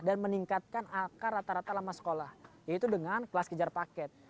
dan meningkatkan akar rata rata lama sekolah yaitu dengan kelas kejar paket